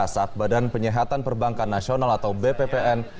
saat badan penyihatan perbankan nasional atau bppn